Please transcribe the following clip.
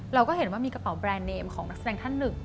เราก็เห็นว่ามีกระเป๋าแบรนด์เนมของนักแสดงท่านหนึ่ง